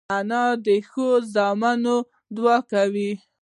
انا د ښو زامنو دعا کوي